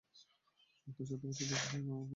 মাত্র চৌদ্দ বছর বয়সে সে অন্যের মুন্ডুপাত করেছে।